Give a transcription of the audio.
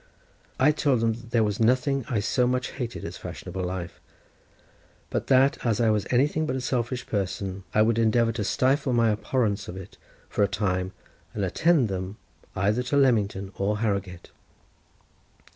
I told them that there was nothing I so much hated as fashionable life, but that, as I was anything but a selfish person, I would endeavour to stifle my abhorrence of it for a time, and attend them either to Leamington or Harrowgate.